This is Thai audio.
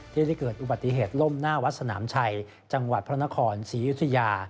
ที่ได้เกิดอุบัติเหตุล่มหน้าวัดสนามชัยจังหวัดพระนครศรียุธยา